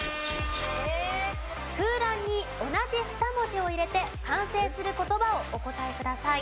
空欄に同じ２文字を入れて完成する言葉をお答えください。